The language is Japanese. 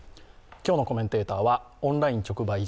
今日のコメンテーターはオンライン直売所